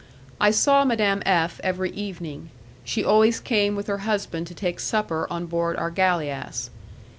I saw Madame F every evening; she always came with her husband to take supper on board our galeass.